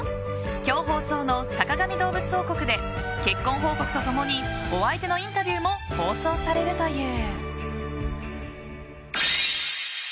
今日放送の「坂上どうぶつ王国」で結婚報告と共にお相手のインタビューも放送されるという。